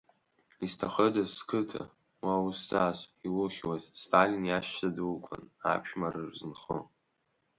Изҭахыдаз, сқыҭа, уа узҵаз, иухьуаз, Сталин иашьцәа дуқәан, аԥшәмара рзынхон.